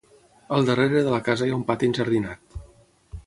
Al darrere de la casa hi ha un pati enjardinat.